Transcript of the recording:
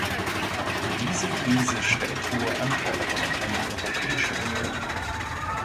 Diese Krise stellt hohe Anforderungen an die Europäische Union.